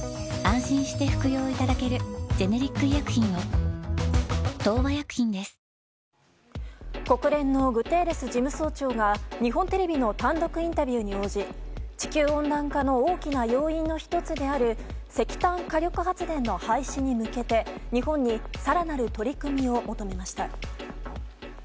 ヒト中心の街いよいよ動きだします国連のグテーレス事務総長が日本テレビの単独インタビューに応じ地球温暖化の大きな要因の１つである石炭火力発電の廃止に向けて、日本に更なる取り組みを求めました。